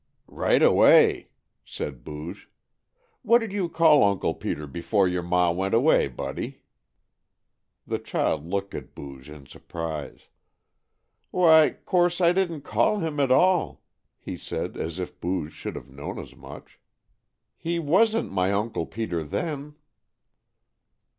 "Right away!" said Booge. "What did you call Uncle Peter before your ma went away, Buddy?" The child looked at Booge in surprise. "Why, 'course I didn't call him at all," he said as if Booge should have known as much. "He wasn't my Uncle Peter, then."